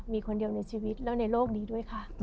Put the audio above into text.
มีคนเดียวในชีวิตแล้วในโลกนี้ด้วยค่ะ